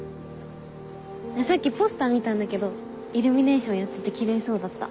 さっきポスター見たんだけどイルミネーションやっててキレイそうだった。